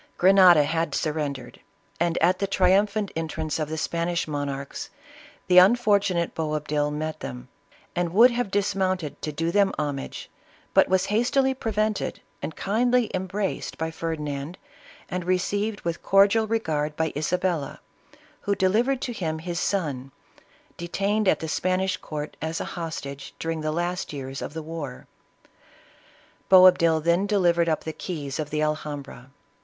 Grenada had surrendered, and, at the triumphant entrance of the Spanish monarchs, the unfortunate Boabdil met them, and would have dismounted to. do them homage, but was hastily prevented and kindly embraced by Ferdinand, and received with cordial re gard by Isabella, who delivered to him his son, detain ed at the Spanish court as a hostage during the last years of the war. . Boabdil then delivered up the keys of the Alhambra.